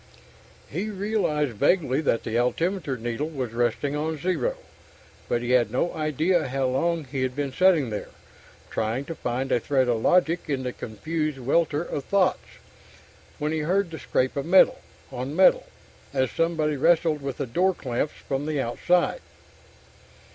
He realized vaguely that the altimeter needle was resting on zero, but he had no idea how long he had been sitting there, trying to find a thread of logic in the confused welter of thoughts, when he heard the scrape of metal on metal as somebody wrestled with the door clamps from the outside.